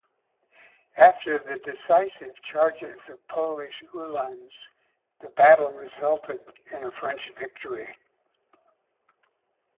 After the decisive charges of Polish uhlans, the battle resulted in a French victory.